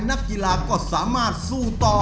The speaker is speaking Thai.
นักกีฬาก็สามารถสู้ต่อ